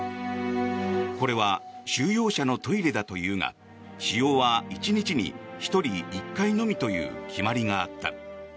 これは収容者のトイレだというが使用は１日に１人１回のみという決まりがあった。